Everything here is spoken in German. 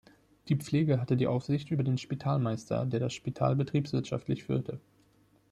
Die Pflege hatte die Aufsicht über den Spitalmeister, der das Spital betriebswirtschaftlich führte.